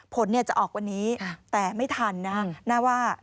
ผลจะออกวันนี้แต่ไม่ทันนะว่า